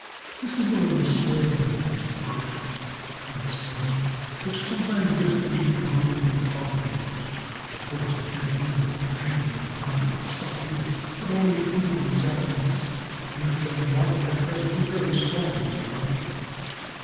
"This is one of those smaller mines, Mr. Potash," he explained, "which sometimes get to be phenomenal profit makers. Of course, I can't tell you offhand what the value of the stock is, but I'll make inquiries at once. The inside market at present is very strong, as you know."